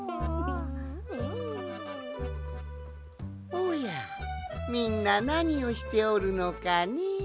おやみんななにをしておるのかね？